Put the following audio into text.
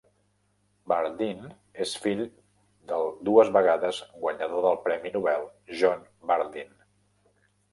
Bardeen és el fill del dues vegades guanyador del premi Nobel John Bardeen.